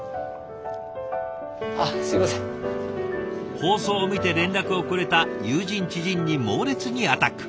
放送を見て連絡をくれた友人知人に猛烈にアタック。